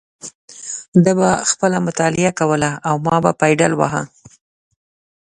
ده به خپله مطالعه کوله او ما به پایډل واهه.